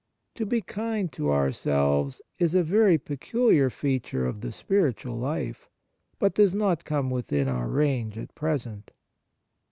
To be kind to ourselves is a very peculiar feature of the spiritual life, but does not come within our range at present.